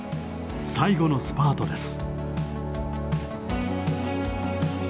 最後のスパートです。